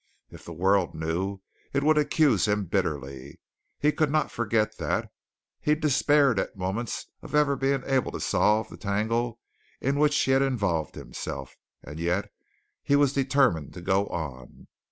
If the world knew, it would accuse him bitterly. He could not forget that. He despaired at moments of ever being able to solve the tangle in which he had involved himself, and yet he was determined to go on.